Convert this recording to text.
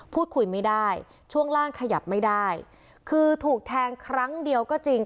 พูดคุยไม่ได้ช่วงล่างขยับไม่ได้คือถูกแทงครั้งเดียวก็จริง